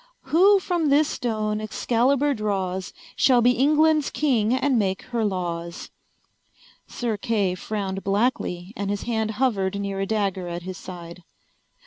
"Who from this stone Excalibur draws Shall be England's king and make her laws." Sir Kay frowned blackly and his hand hovered near a dagger at his side.